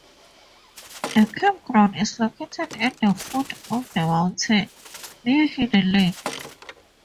A campground is located at the foot of the mountain, near Hidden Lake.